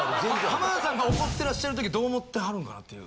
浜田さんが怒ってらっしゃる時どう思ってはるんかなっていう。